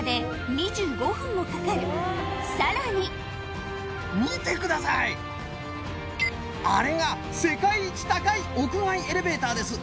さらにあれが世界一高い屋外エレベーターです。